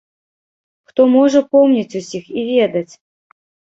Хто можа помніць усіх і ведаць?!.